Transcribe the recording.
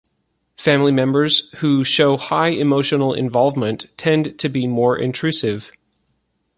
Family members who show high emotional involvement tend to be more intrusive.